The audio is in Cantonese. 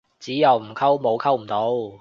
只有唔溝，冇溝唔到